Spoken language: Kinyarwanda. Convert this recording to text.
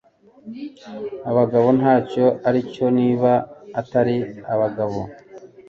abagabo ntacyo aricyo niba atari abagabo